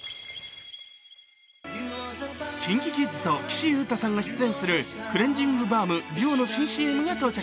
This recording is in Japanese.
ＫｉｎＫｉＫｉｄｓと岸優太さんが出演するクレンジングバーム・ＤＵＯの新ＣＭが到着。